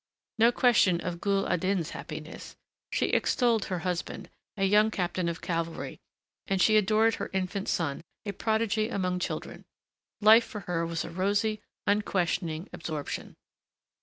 No question of Ghul al Din's happiness! She extolled her husband, a young captain of cavalry, and she adored her infant son, a prodigy among children. Life for her was a rosy, unquestioning absorption.